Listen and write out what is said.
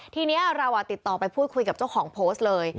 ทีนี้เราติดต่อไปพูดคุยกับเจ้าของโพสต์เลย